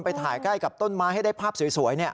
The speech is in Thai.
ไปถ่ายใกล้กับต้นไม้ให้ได้ภาพสวย